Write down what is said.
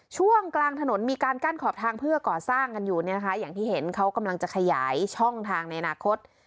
ช่วงกลางถนนมีการกั้นขอบทางเพื่อก่อสร้างกันอยู่เนี่ยนะคะอย่างที่เห็นเขากำลังจะขยายช่องทางในอนาคต